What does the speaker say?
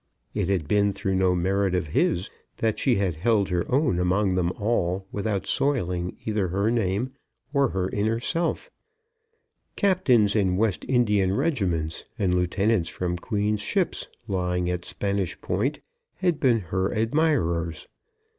It had been through no merit of his that she had held her own among them all without soiling either her name or her inner self. Captains in West Indian regiments, and lieutenants from Queen's ships lying at Spanish Point, had been her admirers.